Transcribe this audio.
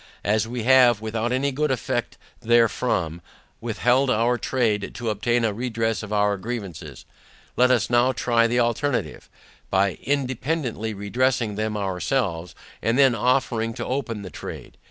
As we have, without any good effect therefrom, withheld our trade to obtain a redress of our grievances, let us NOW try the alternative, by INDEPENDANTLY redressing them ourselves, and then offering to open the trade.